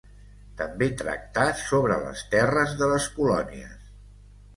També tractà sobre les terres de les colònies.